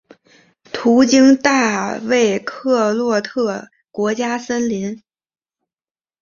途经大卫克洛科特国家森林。